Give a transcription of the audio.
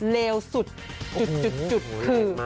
เลวสุดจุดคือ